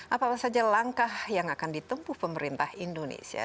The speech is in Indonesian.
apa apa saja langkah yang akan ditempuh pemerintah indonesia